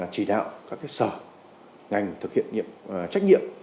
chỉ đạo các sở ngành thực hiện trách nhiệm